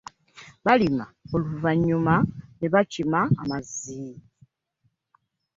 Balima oluvannyuma ne bakima amazzi.